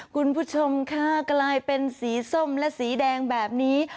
คุณผู้ชมค่ะกลายเป็นสีส้มและสีแดงแบบนี้